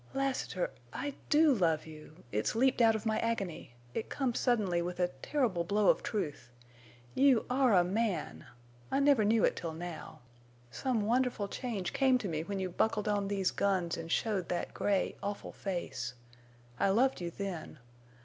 "Lassiter, I do love you! It's leaped out of my agony. It comes suddenly with a terrible blow of truth. You are a man! I never knew it till now. Some wonderful change came to me when you buckled on these guns and showed that gray, awful face. I loved you then.